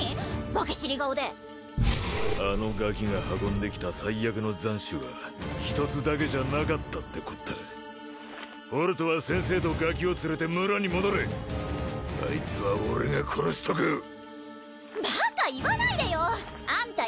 訳知り顔であのガキが運んできた災厄の残滓は一つだけじゃなかったってこったホルトは先生とガキを連れて村に戻れあいつは俺が殺しとくバカ言わないでよあんた